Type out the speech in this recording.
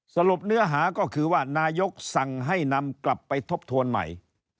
สรุปเนื้อหาก็คือว่านายกสั่งให้นำกลับไปทบทวนใหม่